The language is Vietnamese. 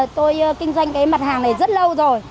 tôi kinh doanh cái mặt hàng này rất lâu rồi